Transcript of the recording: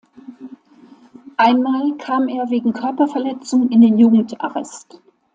Einmal kam er wegen Körperverletzung in den Jugendarrest.